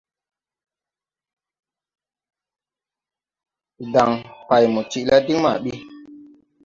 Ɗaŋ: « Pay mo tiʼ la diŋ ma ɓi.